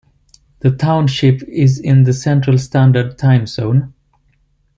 The township is in the Central Standard Time Zone.